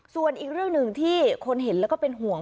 ส่วนอีกเรื่องหนึ่งที่คนเห็นแล้วก็เป็นห่วง